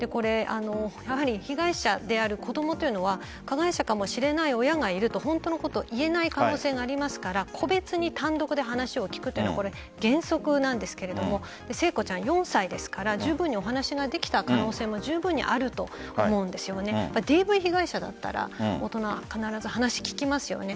やはり被害者である子どもというのは加害者かもしれない親がいると本当のことを言えない可能性がありますから個別に単独で話を聞くことは原則なんですけれども星華ちゃん、４歳ですからじゅうぶん、お話できた可能性もあるのでＤＶ被害者だったら大人、必ず話聞きますよね。